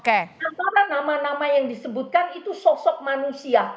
antara nama nama yang disebutkan itu sosok manusia